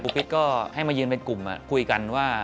ปิ๊กก็ให้มายืนเป็นกลุ่มคุยกันว่า